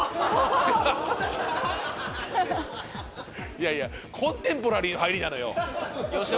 いやいやコンテンポラリーの入りなのよ。